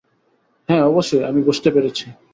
হ্যাঁ অবশ্যই, আমি বুঝতে পেরেছি।